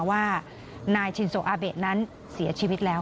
ว่านายชินโซอาเบะนั้นเสียชีวิตแล้ว